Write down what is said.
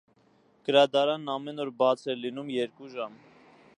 Գրադարանն ամեն օր բաց էր լինում երկու ժամ։